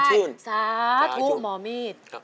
สาธุหมอมีด